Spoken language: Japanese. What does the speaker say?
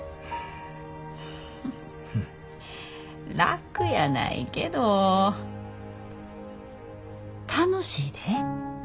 楽やないけど楽しいで。